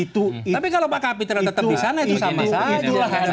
tapi kalau pak kapitra tetap disana itu sama saja